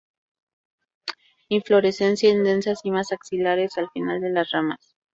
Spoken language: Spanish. Inflorescencia en densas cimas axilares al final de las ramas.